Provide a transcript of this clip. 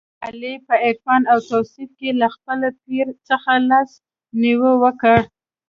علي په عرفان او تصوف کې له خپل پیر څخه لاس نیوی وکړ.